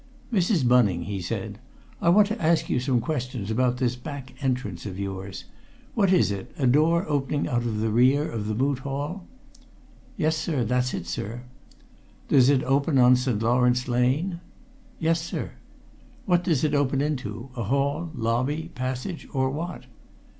"Mrs. Bunning," he said, "I want to ask you some questions about this back entrance of yours. What is it a door opening out of the rear of the Moot Hall?" "Yes, sir; that's it, sir." "Does it open on St. Lawrence Lane?" "Yes, sir." "What does it open into a hall, lobby, passage, or what?"